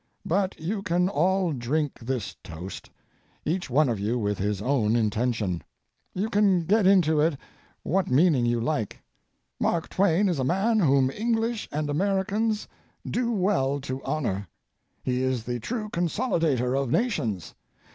But you can all drink this toast, each one of you with his own intention. You can get into it what meaning you like. Mark Twain is a man whom English and Americans do well to honor. He is the true consolidator of nations.